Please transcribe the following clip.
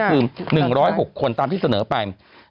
คือ๑๐๖คนตามที่เสนอไป